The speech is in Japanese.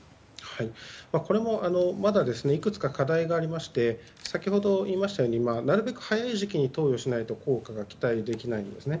これもまだいくつか課題がありまして先ほど言いましたようになるべく早い時期に投与しないと効果が期待できないんですね。